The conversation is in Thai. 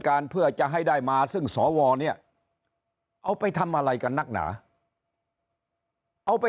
เพื่อจะให้ได้มาซึ่งสวเนี่ยเอาไปทำอะไรกันนักหนาเอาไป